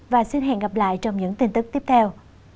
và xin hẹn gặp lại trong những tin tức tiếp theo